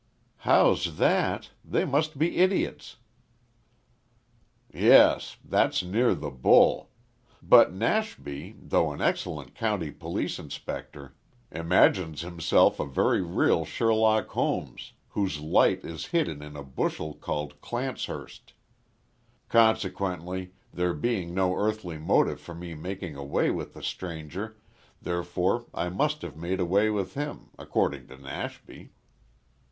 "How's that? They must be idiots." "Yes. That's near the `bull.' But Nashby, though an excellent county police inspector, imagines himself a very real Sherlock Holmes whose light is hidden in a bushel called Clancehurst; consequently there being no earthly motive for me making away with the stranger, therefore I must have made away with him according to Nashby."